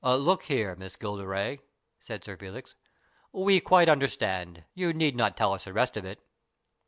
" Look here, Miss Gilderay," said Sir Felix, " we quite understand. You need not tell us the rest of it."